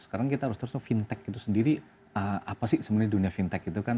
sekarang kita harus terus fintech itu sendiri apa sih sebenarnya dunia fintech itu kan